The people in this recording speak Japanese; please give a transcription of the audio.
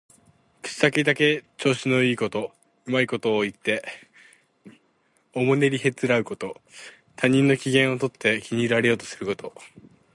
口先だけで調子のいいこと、うまいことを言っておもねりへつらうこと。他人の機嫌をとって気に入られようとすること。